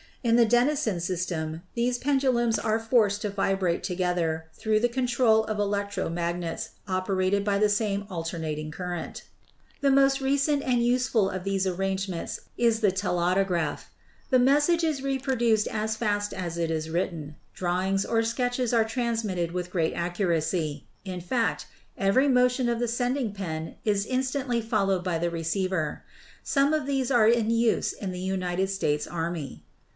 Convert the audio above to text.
In the Denison system these pendu lums are forced to vibrate together through the control of electro magnets operated by the same alternating current. 306 ELECTRICITY The most recent and useful of these arrangements is the telautograph. The message is reproduced as fast as it is written. Drawings or sketches are transmitted with great accuracy; in fact, every motion of the sending pen is instantly followed by the receiver. Some of these are in use in the United States army.